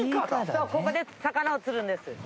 そうここで魚を釣るんです。